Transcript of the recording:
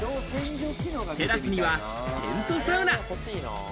テラスにはテントサウナ。